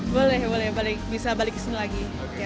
boleh boleh bisa balik ke sini lagi